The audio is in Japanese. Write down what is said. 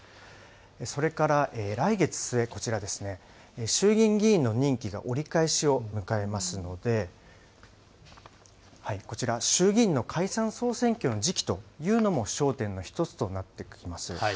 それから来月末、こちらですね、衆議院議員の任期が折り返しを迎えますので、こちら、衆議院の解散・総選挙の時期というのも焦点の１つとなってきます。